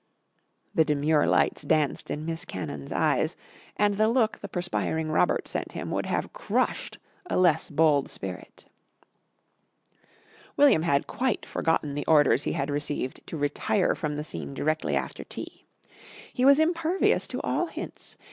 The demure lights danced in Miss Cannon's eyes and the look the perspiring Robert sent him would have crushed a less bold spirit. William had quite forgotten the orders he had received to retire from the scene directly after tea. He was impervious to all hints.